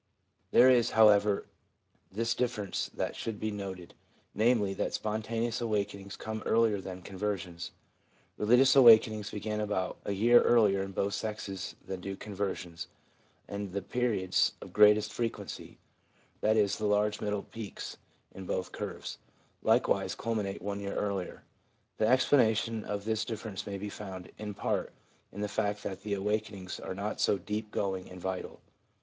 There is, however, this difference that should be noted, namely, that spontaneous awakenings come earlier than conversions. Religious awakenings begin about a year earlier in both sexes than do conversions, and the periods of greatest frequency — that is, the large middle peaks in both curves — likewise culminate one year earlier. The explanation of this difference may be found, in part, in the fact that the awakenings are not so deep going and vital.